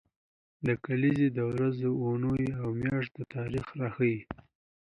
دا کلیزې د ورځو، اونیو او میاشتو تاریخ راښيي.